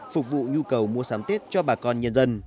phục vụ nhu cầu mua sắm tết cho bà con nhân dân